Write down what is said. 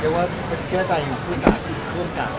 คือว่าเป็นเชื่อใจของผู้การผู้การ